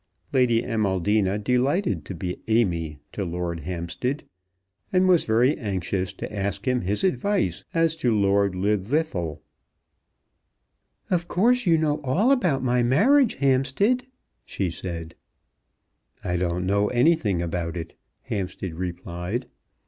Lady Amaldina delighted to be Amy to Lord Hampstead, and was very anxious to ask him his advice as to Lord Llwddythlw. "Of course you know all about my marriage, Hampstead?" she said. "I don't know anything about it," Hampstead replied.